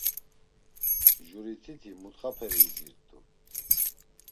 Jurititi mutxaperi izirt̆u.